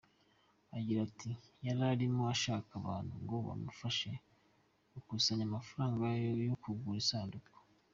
Agira ati “Yari arimo ashaka abantu ngo bamufashe gukusanya amafaranga yo kugura isanduku.